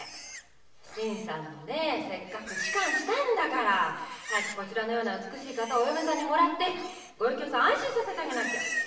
新さんも仕官したんだから早くこちらのような美しい方をお嫁さんにもらってご隠居さんを安心させてあげなきゃ。